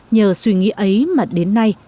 nhờ suy nghĩ ấy mà đến nay